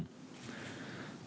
untuk memperoleh perangkat hukum